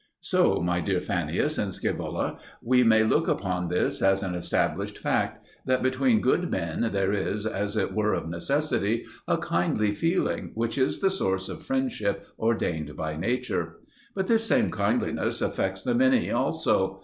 So, my dear Fannius and Scaevola, we may look upon this as an established fact, that between good men there is, as it were of necessity, a kindly feeling, which is the source of friendship ordained by nature. But this same kindliness affects the many also.